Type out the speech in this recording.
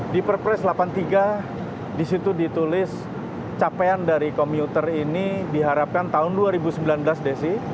di perpres delapan puluh tiga disitu ditulis capaian dari komuter ini diharapkan tahun dua ribu sembilan belas desi